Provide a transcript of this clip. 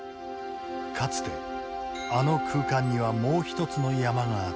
かつてあの空間にはもう一つの山があった。